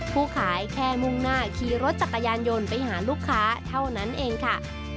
ผู้ขายแค่มุ่งหน้าขี่รถจักรยานยนต์ไปหาลูกค้าเท่านั้นเองค่ะ